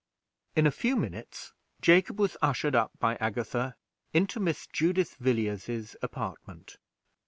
In a few minutes, Jacob was ushered up by Agatha into Miss Judith Villiers's apartment.